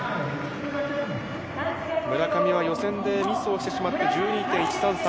村上は予選でミスをしてしまって、１２．１３３。